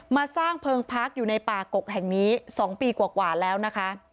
มาสร้างเพลิงพักอยู่ในป่ากกแห่งนี้๒ปีกว่าแล้วนะคะ